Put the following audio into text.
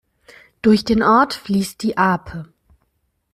Durch den Ort fließt die Arpe.